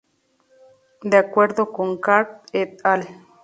De acuerdo con Carr "et al".